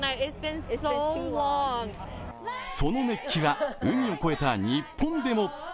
その熱気は海を越えた日本でも。